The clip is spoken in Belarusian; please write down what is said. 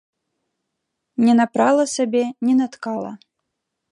Не напрала сабе, не наткала.